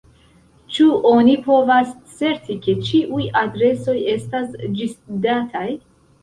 Ĉu oni povas certi, ke ĉiuj adresoj estas ĝisdataj?